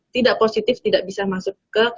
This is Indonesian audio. tidak positif tidak bisa masuk ke